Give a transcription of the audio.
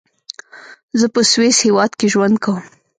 زۀ پۀ سويس هېواد کې ژوند کوم.